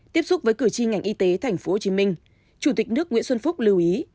tiếp xúc với cử tri ngành y tế tp hcm chủ tịch nước nguyễn xuân phúc lưu ý